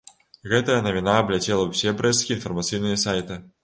Гэтая навіна абляцела ўсе брэсцкія інфармацыйныя сайты.